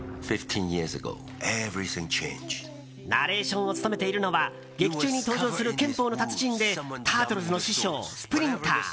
ナレーションを務めているのは劇中に登場する拳法の達人でタートルズの師匠スプリンター。